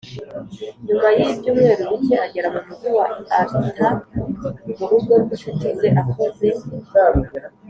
nyuma y ibyumweru bike agera mu mugi wa Alta mu rugo rw incuti ze akoze